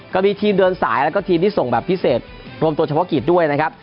ก็มีทีมเดินสายแล้วก็ทีมที่ส่งแบบพิเศษรวมตัวเฉพาะกิจด้วยนะครับ